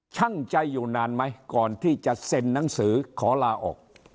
ช่างใจอยู่นานไหมก่อนที่จะเซ็นหนังสือขอลาออก